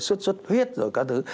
sốt sốt huyết rồi các thứ